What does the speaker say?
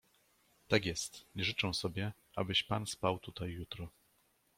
"Tak jest, nie życzę sobie, abyś pan spał tutaj jutro."